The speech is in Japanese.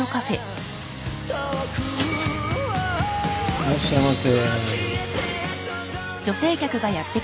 ・いらっしゃいませ。